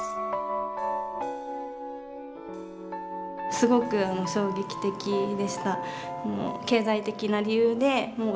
すごく衝撃的でした。